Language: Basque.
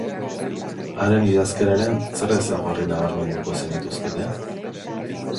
Haren idazkeraren zer ezaugarri nabarmenduko zenituzkete?